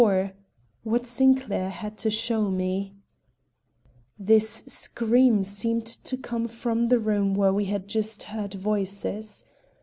IV WHAT SINCLAIR HAD TO SHOW ME This scream seemed to come from the room where we had just heard voices.